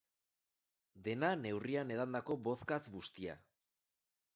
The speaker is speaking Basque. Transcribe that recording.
Dena, neurrian edandako vodkaz bustia.